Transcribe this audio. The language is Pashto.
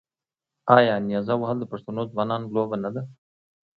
آیا نیزه وهل د پښتنو ځوانانو لوبه نه ده؟